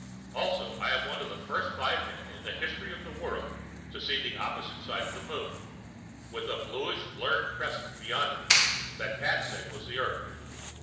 Also, I am one of the first five men in the history of the world to see the opposite side of the Moon, with a bluish blurred crescent beyond it that Pat said was the Earth.